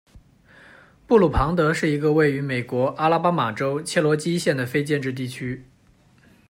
布鲁庞德是一个位于美国阿拉巴马州切罗基县的非建制地区。